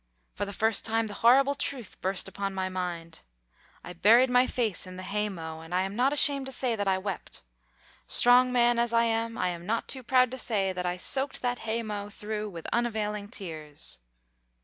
For the first time the horrible truth burst upon my mind. I buried my face in the haymow and I am not ashamed to say that I wept. Strong man as I am, I am not too proud to say that I soaked that haymow through with unavailing tears.